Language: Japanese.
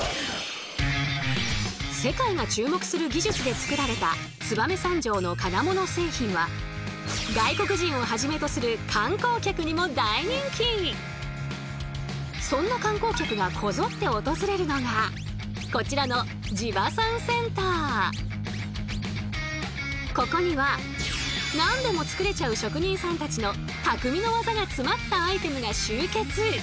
世界が注目する技術で作られた燕三条の金物製品は外国人をはじめとするそんな観光客がこぞって訪れるのがこちらのここには何でも作れちゃう職人さんたちのその数